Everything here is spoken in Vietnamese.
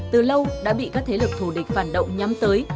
từ lâu đã bị các thế lực thù địch phản động nhắm tới